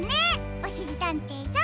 おしりたんていさん！